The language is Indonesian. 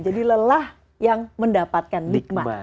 jadi lelah yang mendapatkan nikmat